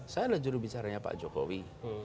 saya adalah jurubicaranya pak jokowi